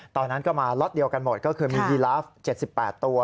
ตอนนั้นก็มาล็อตเดียวกันหมดก็คือมียีลาฟ๗๘ตัว